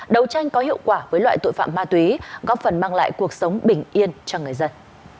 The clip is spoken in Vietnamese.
đấu tranh có hiệu quả với loại tội phạm ma túy góp phần mang lại cuộc sống bình yên cho người dân